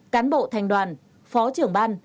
cán bộ thành đoàn phó trưởng ban